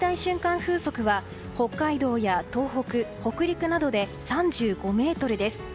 風速は北海道や東北北陸などで３５メートルです。